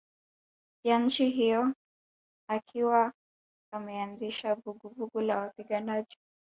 ya nchi hiyo akiwa ameanzisha vuguvugu la wapiganaji